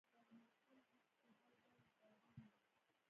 درملتون کي هر ډول دارو وي